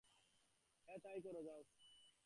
হ্যা তাই করো, যাও।